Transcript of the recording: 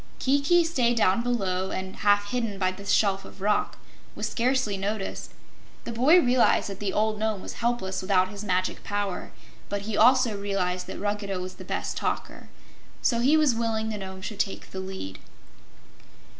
Kiki stayed down below and, half hidden by the shelf of rock, was scarcely noticed. The boy realized that the old Nome was helpless without his magic power, but he also realized that Ruggedo was the best talker. So he was willing the Nome should take the lead.